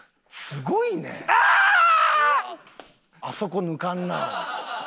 あそこ抜かんな。